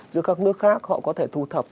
giữa các nước khác họ có thể thu thập